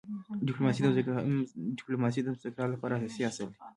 ډيپلوماسي د مذاکراتو لپاره اساسي اصل دی.